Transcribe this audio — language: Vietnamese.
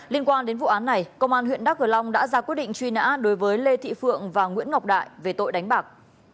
liên quan đến vụ án này công an huyện đắk cờ long đã ra quyết định truy nã đối với lê thị phượng và nguyễn ngọc đại về tội đánh bạc